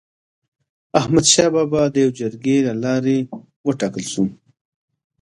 احمد شاه بابا د يوي جرګي د لاري و ټاکل سو.